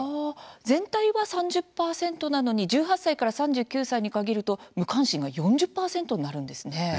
全体は３０％なのに１８歳から３９歳に限ると無関心が４０％になるんですね。